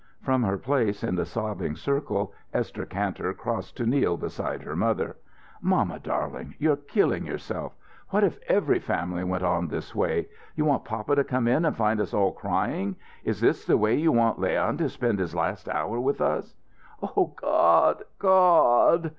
From her place in the sobbing circle, Esther Kantor crossed to kneel beside her mother. "Mamma, darling, you're killing yourself! What if every family went on this way? You want papa to come in and find us all crying? Is this the way you want Leon to spend his last hour with us " "O God God!"